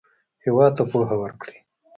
هېواد ته پوهه ورکړئ